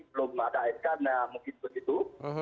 belum ada sk nya mungkin begitu